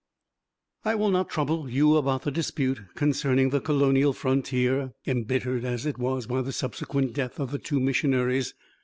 I will not trouble you about the dispute concerning the Colonial frontier, embittered, as it was, by the subsequent death of the two missionaries.